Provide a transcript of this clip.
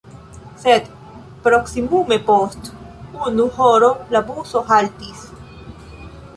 Sed proksimume post unu horo la buso haltis.